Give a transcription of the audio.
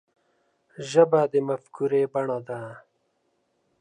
ژبه د مفکورې بڼه ده